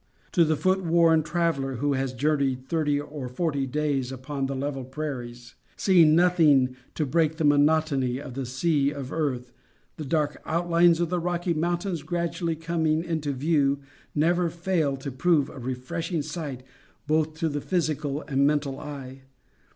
To the foot worn traveler, who has journeyed thirty or forty days upon the level prairies, seeing nothing to break the monotony of a sea of earth, the dark outlines of the Rocky Mountains, gradually coming into the view, never fail to prove a refreshing sight both to the physical and mental eye.